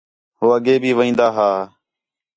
ہو اڳّے بھی وین٘دا ہا